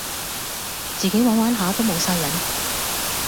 自己玩玩下都無哂癮